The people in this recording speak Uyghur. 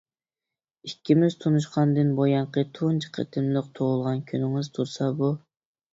ئىككىمىز تونۇشقاندىن بۇيانقى تۇنجى قېتىملىق تۇغۇلغان كۈنىڭىز تۇرسا بۇ.